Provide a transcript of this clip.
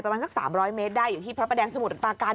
ประมาณสัก๓๐๐เมตรได้อยู่ที่พระประแดงสมุทรปาการ